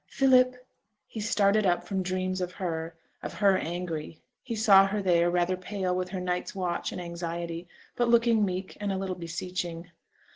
'Philip!' He started up from dreams of her; of her, angry. He saw her there, rather pale with her night's watch and anxiety, but looking meek, and a little beseeching.